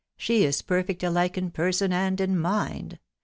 she is perfect alike in person and in mind